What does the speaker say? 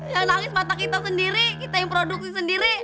ya nangis mata kita sendiri kita yang produksi sendiri